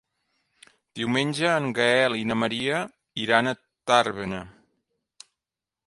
Diumenge en Gaël i na Maria iran a Tàrbena.